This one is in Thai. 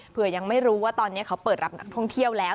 ยังไม่รู้ว่าตอนนี้เขาเปิดรับนักท่องเที่ยวแล้ว